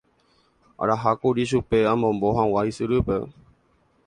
Araha kuri chupe amombo hag̃ua ysyrýpe.